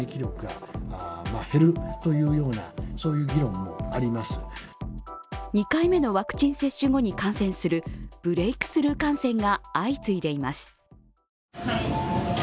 ところが２回目のワクチン接種後に感染するブレークスルー感染が相次いでいます。